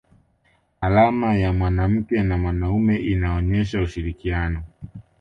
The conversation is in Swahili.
alama ya mwanamke na mwanaume inaonesha ushirikiano